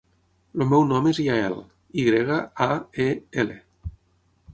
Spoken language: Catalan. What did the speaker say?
El meu nom és Yael: i grega, a, e, ela.